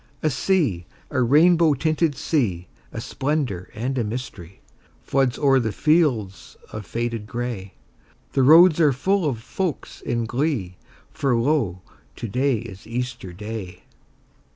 A sea, a rainbow tinted sea, A splendor and a mystery, Floods o'er the fields of faded gray: The roads are full of folks in glee, For lo, to day is Easter Day!